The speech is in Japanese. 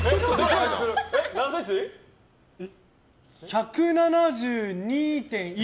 １７２．１。